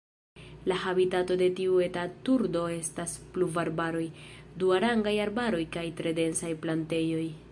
La habitato de tiu eta turdo estas pluvarbaroj, duarangaj arbaroj kaj tre densaj plantejoj.